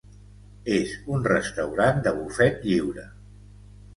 És un restaurant de bufet lliure.